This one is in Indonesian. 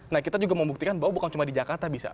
nah kita juga membuktikan bahwa bukan cuma di jakarta bisa